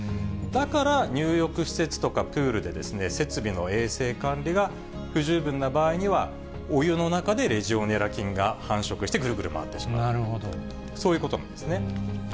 だから入浴施設とか、プールで設備の衛生管理が不十分な場合には、お湯の中でレジオネラ菌が繁殖してぐるぐる回ってしまうと、そういうことなんですね。